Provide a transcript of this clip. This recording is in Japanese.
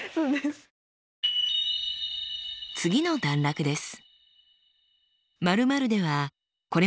次の段落です。